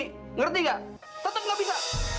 saya lihat dulu ya